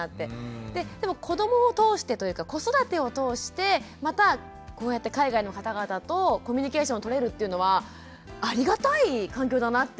でも子どもを通してというか子育てを通してまたこうやって海外の方々とコミュニケーション取れるっていうのはありがたい環境だなって思いましたね。